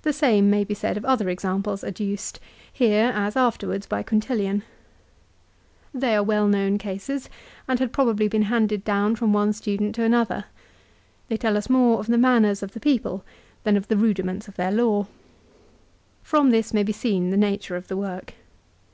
The same may be said of other examples adduced, here as afterwards by Quintilian. They are well known cases, and had probably been handed down from one student to another. They tell us more of the manners of the people than of the rudiments of their law. From this may be seen the nature of the work.